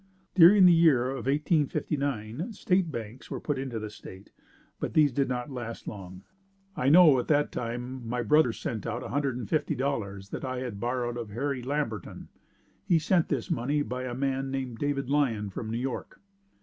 During the year of 1859 State Banks were put into the state but these did not last long. I know at that time my brother sent out $150 that I had borrowed of Harry Lamberton. He sent this money by a man named David Lyon from New York.